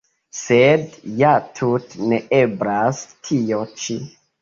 Sed ja tute neeblas, tio ĉi.